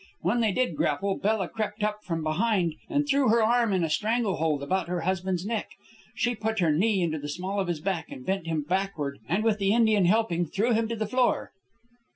When they did grapple, Bella crept up from behind and threw her arm in a strangle hold about her husband's neck. She put her knee into the small of his back, and bent him backward and, with the Indian helping, threw him to the floor."